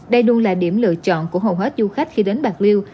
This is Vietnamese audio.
đây luôn là điểm lựa chọn của hầu hết du khách khi đến bạc liêu